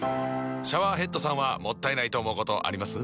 シャワーヘッドさんはもったいないと思うことあります？